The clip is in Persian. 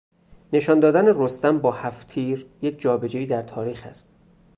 نشان دادن رستم با هفت تیر یک جابجایی در تاریخ است.